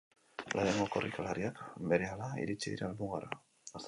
Lehenengo korrikalariak berehala iritsi dira helmugara.